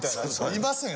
いませんよ